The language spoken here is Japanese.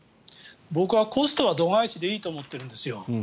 僕はコストは度外視でいいと思ってるんです。